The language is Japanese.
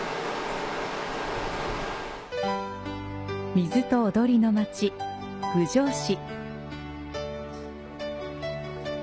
水と踊りの町、郡上市。